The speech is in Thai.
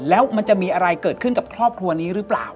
แล้วมันจะมีอะไรเกิดขึ้นกับครอบครัวนี้หรือเปล่า